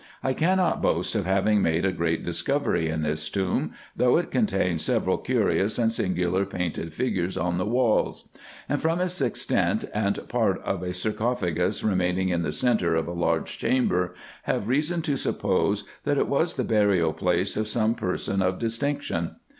I cannot boast of having made a great discovery in this tomb, though it contains several curious and singular painted figures on the walls ; and from its extent, and part of a sarcophagus remaining in the centre of a large cham ber, have reason to suppose, that it was the burial place of some person of distinction.